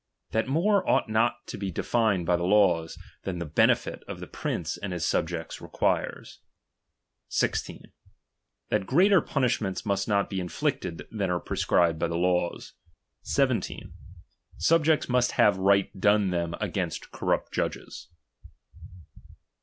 That more ought not to be defined by the laws, than the benefit of the prince and his subjects requires. 16. That greater punishments roust not be inflicted, than are prescribed by the laws. l.S. Subjects must have right done them against corrupt judges.